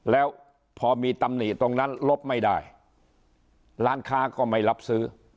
แล้วพอมีตำหนิตรงนั้นลบไม่ได้ร้านค้าก็ไม่รับซื้อ